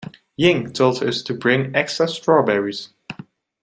Ying told us to bring extra strawberries.